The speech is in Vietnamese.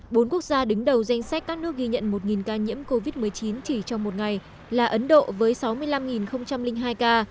bốn quốc gia đứng đầu danh sách các nước ghi nhận một ca nhiễm covid một mươi chín chỉ trong một ngày là ấn độ với sáu mươi năm hai ca